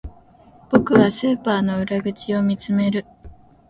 僕はスーパーの裏口を見つめる